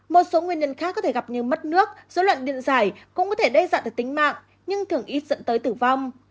một số nguyên nhân khác có thể gặp như mất nước dối loạn điện giải cũng có thể đe dọa được tính mạng nhưng thường ít dẫn tới tử vong